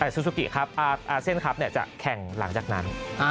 แต่ซูซูกิครับอาเซียนครับจะแข่งหลังจากนั้น